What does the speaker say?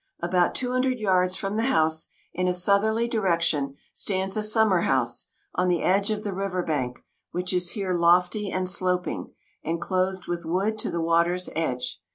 About two hundred yards from the house, in a southerly direction, stands a summer house, on the edge of the river bank, which is here lofty and sloping, and clothed with wood to the water's edge.